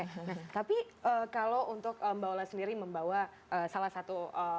tapi kalau untuk mbak ola sendiri membawa salah satu